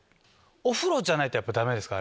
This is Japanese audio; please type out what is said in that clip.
お風呂じゃないとダメですか？